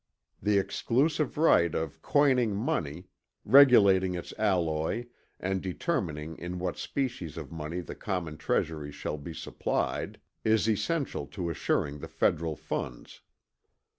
"The exclusive right of coining money regulating its alloy, and determining in what species of money the common treasury shall be supplied is essential to assuring the federal funds.